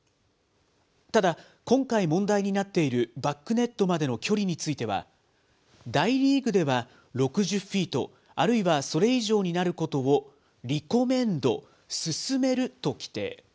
ただ、今回問題になっているバックネットまでの距離については、大リーグでは、６０フィートあるいはそれ以上になることをリコメンド・勧めると規定。